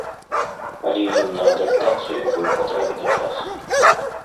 Але ім на адаптацыю быў патрэбны час.